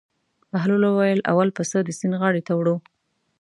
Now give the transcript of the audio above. بهلول وویل: اول پسه د سیند غاړې ته وړو.